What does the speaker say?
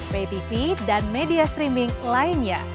patv dan media streaming lainnya